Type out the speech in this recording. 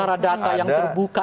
antara data yang terbuka